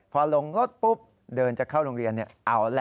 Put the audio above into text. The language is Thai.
พอลงรถปุ๊บเดินจะเข้าโรงเรียนเอาแหละ